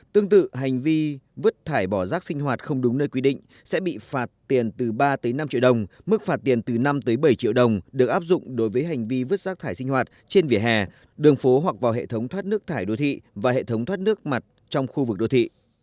tương tự hành vi vệ sinh cá nhân không đúng nơi quy định sẽ bị phạt tiền từ ba tới năm triệu đồng mức phạt tiền từ năm tới bảy triệu đồng được áp dụng đối với hành vi vệ sinh cá nhân không đúng nơi quy định